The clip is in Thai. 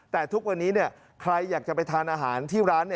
แต่ทุกวันนี้ใครอยากจะไปทานอาหารที่ร้าน